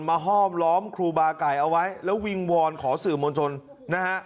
ห้อมล้อมครูบาไก่เอาไว้แล้ววิงวอนขอสื่อมวลชนนะฮะ